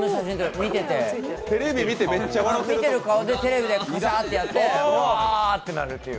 見てて、見てる顔をテレビでパシャッてなってうわってなるっていう。